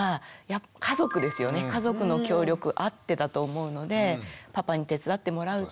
家族の協力あってだと思うのでパパに手伝ってもらうとか。